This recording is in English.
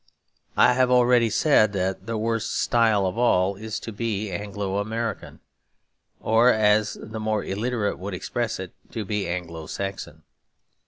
I have already said that the worst style of all is to be Anglo American; or, as the more illiterate would express, to be Anglo Saxon.